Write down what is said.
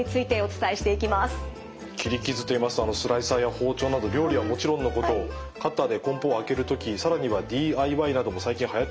切り傷といいますとスライサーや包丁など料理はもちろんのことカッターで梱包を開ける時更にはＤＩＹなども最近はやってますからね。